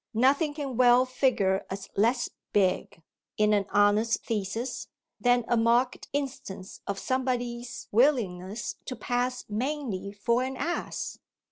Nothing can well figure as less "big," in an honest thesis, than a marked instance of somebody's willingness to pass mainly for an ass.